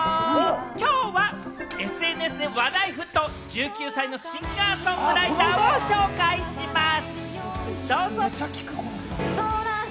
きょうはＳＮＳで話題沸騰１９歳のシンガー・ソングライターを紹介します。